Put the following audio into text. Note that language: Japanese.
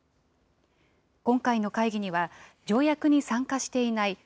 今回の会議には、条約に参加していないＮＡＴＯ